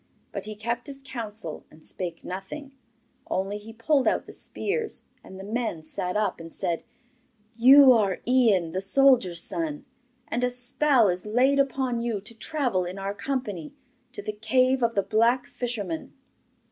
But he kept his counsel and spake nothing, only he pulled out the spears, and the men sat up and said: 'You are Ian the soldier's son, and a spell is laid upon you to travel in our company, to the cave of the black fisherman.